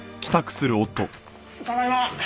ただいま。